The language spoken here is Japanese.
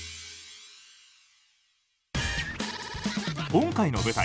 今回の舞台